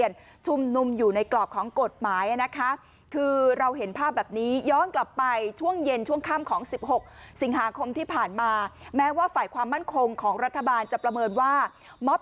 ช่วงค่ำของ๑๖สิงหาคมที่ผ่านมาแม้ว่าฝ่ายความมั่นคงของรัฐบาลจะประเมินว่ามอบ